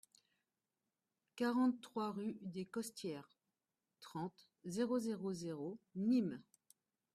quarante-trois rue des Costières, trente, zéro zéro zéro, Nîmes